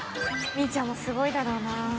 みぃちゃんもすごいだろうな。